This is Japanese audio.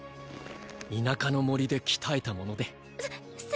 田舎の森で鍛えたものです